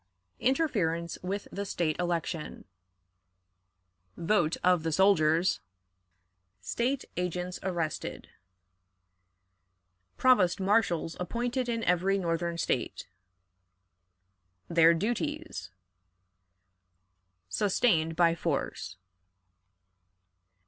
Interference with the State Election. Vote of the Soldiers. State Agents arrested. Provost Marshals appointed in Every Northern State. Their Duties. Sustained by Force.